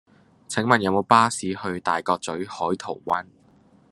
請問有無巴士去大角嘴海桃灣